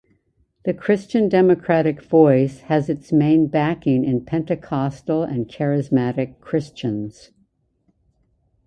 The Christian Democratic Voice has its main backing in pentecostal and charismatic Christians.